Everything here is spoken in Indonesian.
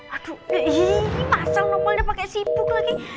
aduh iiih masal nomolnya pake sibuk lagi